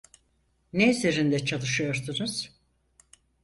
Ne üzerinde çalışıyorsunuz?